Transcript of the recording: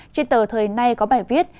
trên tờ thời nay có bài viết